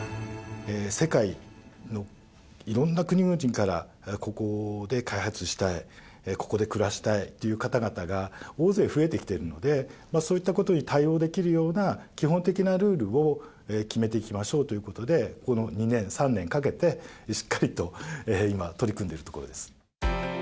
世界のいろんな国々から、ここで開発したい、ここで暮らしたいという方々が大勢増えてきているので、そういったことに対応できるような基本的なルールを決めていきましょうということで、この２年、３年かけて、しっかりと今、取り組んでるところです。